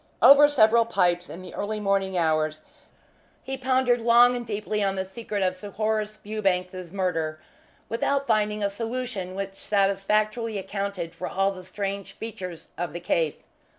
Over several pipes in the early morning hours he pondered long and deeply on the secret of Sir Horace Fewbanks's murder, without finding a solution which satisfactorily accounted for all the strange features of the case.